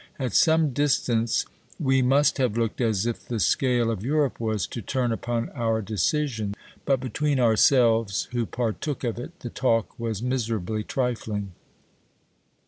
At some distance, we must have looked as if the scale of Europe was to turn upon our decision ; but between ourselves, who partook of it, the talk was miserably trifling.